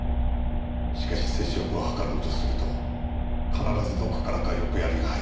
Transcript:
しかし接触を図ろうとすると必ずどこからか横槍が入る。